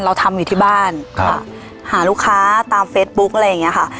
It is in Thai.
เราทำอยู่ที่บ้านหาลูกค้าตามเฟซบุ๊กอะไรอย่างนี้ค่ะ